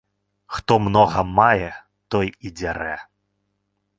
Хто многа мае, той і дзярэ.